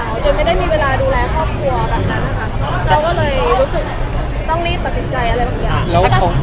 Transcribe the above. จนไม่ได้มีเวลาดูแลครอบครัวแบบนั้นนะคะเราก็เลยรู้สึกต้องรีบตัดสินใจอะไรบางอย่าง